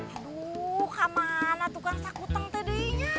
aduh kak mana tukang sakutang tadinya